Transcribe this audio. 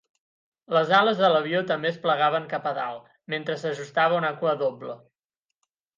Les ales de l'avió també es plegaven cap a dalt, mentre s'ajustava una cua doble.